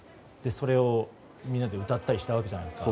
それをみんなで歌ったりしたわけじゃないですか。